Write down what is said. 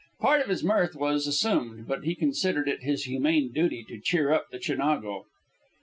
Part of his mirth was assumed, but he considered it his humane duty to cheer up the Chinago.